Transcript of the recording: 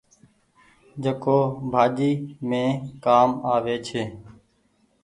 جيڪو ڀآڃي مين ڪآم آوي ڇي۔